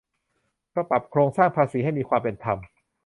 ปรับโครงสร้างภาษีให้มีความเป็นธรรม